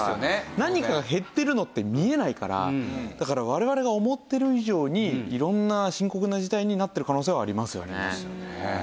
何かが減ってるのって見えないからだから我々が思っている以上に色んな深刻な事態になってる可能性はありますよね。